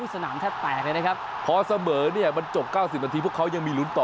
สนามแทบแตกเลยนะครับพอเสมอเนี่ยมันจบ๙๐นาทีพวกเขายังมีลุ้นต่อ